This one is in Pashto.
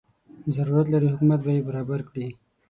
ضرورت لري حکومت به یې برابر کړي.